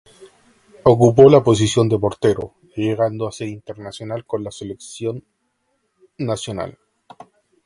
Ocupó la posición de portero, llegando a ser internacional con la selección nacional.